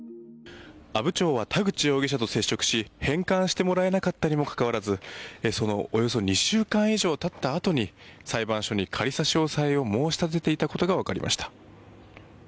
阿武町は田口容疑者と接触し返還してもらえなかったにもかかわらずそのおよそ２週間以上経ったあとに裁判所に仮差し押さえを申し立てていたことが分かりました。